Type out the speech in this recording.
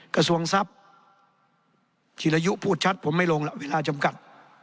กระทรวงทรัพย์จิรยุพูดชัดผมไม่ลงล่ะเวลาจำกัด